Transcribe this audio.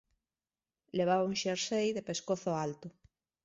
Levaba un xersei de pescozo alto.